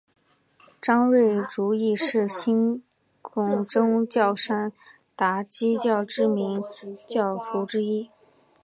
张瑞竹亦是新兴宗教山达基教知名教徒之一。